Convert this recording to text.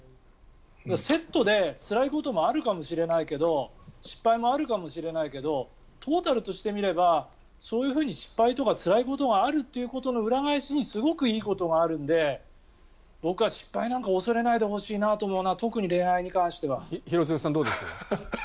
セットでつらいことがあるかもしれないけど失敗もあるかもしれないけどトータルとして見ればそういうふうに失敗とかつらいことがあるということの裏返しにすごくいいことがあるので僕は失敗なんか恐れないでほしいなと思うな。